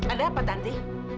ada apa tante